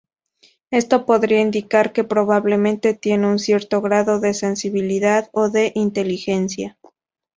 Esto podría indicar que probablemente tiene un cierto grado de sensibilidad o de inteligencia.